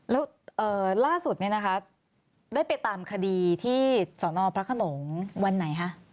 แล้วล่าสุดเนี่ยนะคะได้ไปตามคดีที่สนพระขนงวันไหนคะ